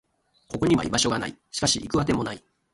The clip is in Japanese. ここには居場所がない。しかし、行く当てもない。